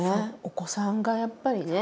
お子さんがやっぱりね。